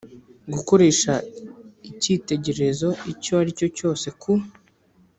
Gukoresha icyitegererezo icyo ari cyo cyose ku